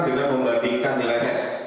dengan membandingkan nilai hes